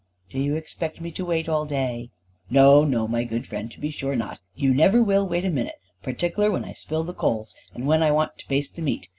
"Do you expect me to wait all day?" "No no, my good friend, to be sure not. You never will wait a minute, partikler when I spill the coals, and when I wants to baste the meat.